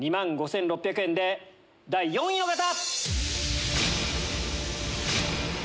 ２万５６００円で第４位の方！